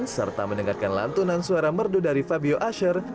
serta mendengarkan lantunan suara merdu dari fabio asher